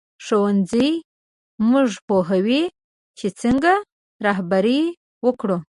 ښوونځی موږ پوهوي چې څنګه رهبري وکړو